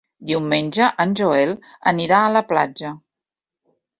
Diumenge en Joel anirà a la platja.